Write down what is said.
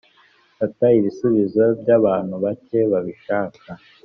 Fata ibisubizo by abantu bake babishaka